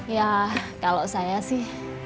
ya kalau saya sih